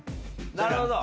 なるほど！